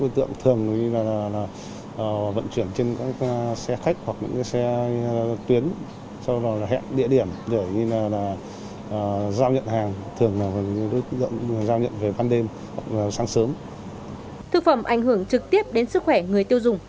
thực phẩm ảnh hưởng trực tiếp đến sức khỏe người tiêu dùng